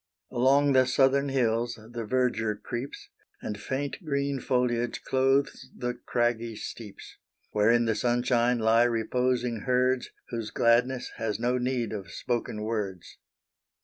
Along the southern hills the verdure creeps, And faint green foliage clothes the craggy steeps, Where in the sunshine lie reposing herds. Whose gladness has no need of spoken words.